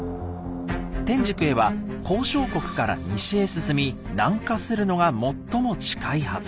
天竺へは高昌国から西へ進み南下するのが最も近いはず。